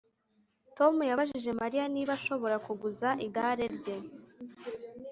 Tom yabajije Mariya niba ashobora kuguza igare rye